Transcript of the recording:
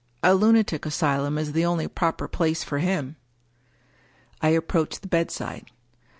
" A lunatic asylum is the only proper place for him." I approached the bedside.